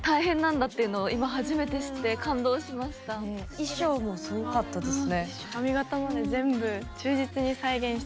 衣装もすごかったですね。